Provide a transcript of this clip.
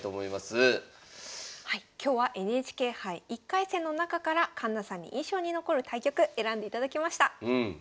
今日はＮＨＫ杯１回戦の中から環那さんに印象に残る対局選んでいただきました。